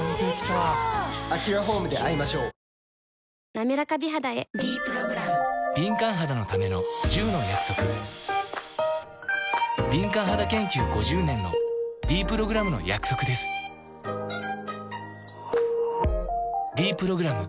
なめらか美肌へ「ｄプログラム」敏感肌研究５０年のｄプログラムの約束です「ｄプログラム」